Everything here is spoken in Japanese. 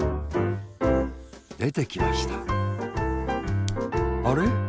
でてきましたあれっ？